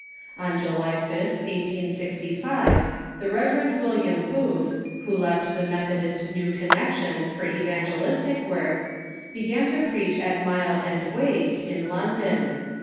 "* On July 5th, 1865, the Rev. William Booth, who left the Methodist New Connection for evangelistic work, began to preach at Mile End Waste, in London.